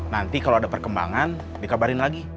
nanti kalau ada perkembangan dikabarin lagi